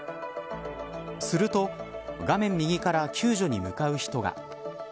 すると画面右から救助に向かう人が。